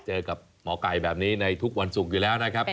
เจอกับหมอไก่แบบนี้ในทุกวันศุกร์อยู่แล้วนะครับ